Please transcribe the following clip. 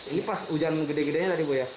ini pas hujan gede gedenya tadi bu ya